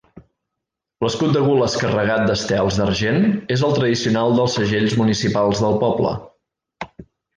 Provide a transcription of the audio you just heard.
L'escut de gules carregat d'estels d'argent és el tradicional dels segells municipals del poble.